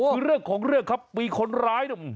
คือเรื่องของเรื่องครับมีคนร้ายเนี่ย